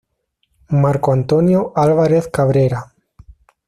Marco Antonio Álvarez Cabrera